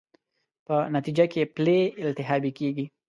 په نتېجه کې پلې التهابي کېږي.